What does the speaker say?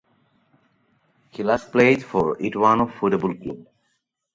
He last played for Ituano Futebol Clube.